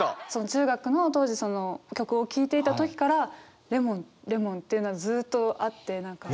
中学の当時曲を聴いていた時からレモンレモンっていうのはずっとあって何か。